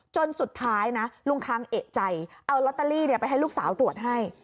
จนสุดท้ายนะลุงค้างเอกใจเอาลอตเตอรี่ไปให้ลูกสาวตรวจให้